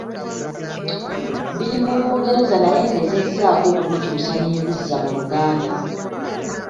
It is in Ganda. Biri mu Lungereza naye ngezezzaako okubikyusa ne mbizza mu Luganda.